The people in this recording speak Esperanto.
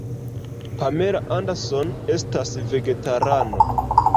Pamela Anderson estas vegetarano.